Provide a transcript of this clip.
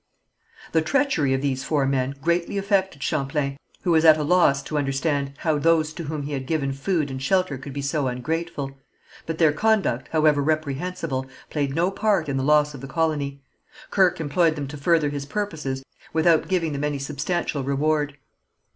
The treachery of these four men greatly affected Champlain, who was at a loss to understand how those to whom he had given food and shelter could be so ungrateful; but their conduct, however reprehensible, played no part in the loss of the colony. Kirke employed them to further his purposes without giving them any substantial reward.